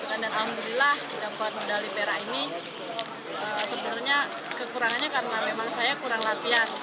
alhamdulillah dapat medali perak ini sebenarnya kekurangannya karena memang saya kurang latihan